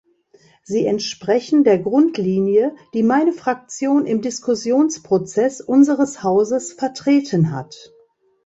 Sie entsprechen der Grundlinie, die meine Fraktion im Diskussionsprozess unseres Hauses vertreten hat.